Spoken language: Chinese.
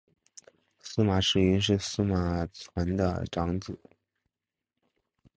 司马世云是司马纂的长子。